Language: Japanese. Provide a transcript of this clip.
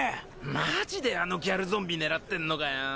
マジであのギャルゾンビ狙ってんのかよ。